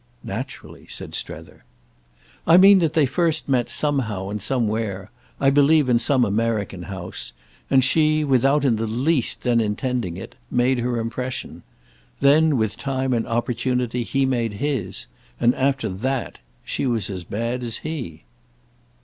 "Naturally," said Strether. "I mean that they first met somehow and somewhere—I believe in some American house—and she, without in the least then intending it, made her impression. Then with time and opportunity he made his; and after that she was as bad as he."